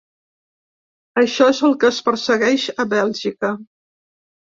Això és el que es persegueix a Bèlgica.